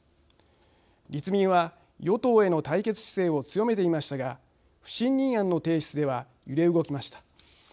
立民は、与党への対決姿勢を強めていましたが不信任案の提出では揺れ動きました。